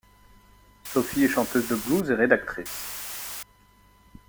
Sophie est chanteuse de blues et rédactrice.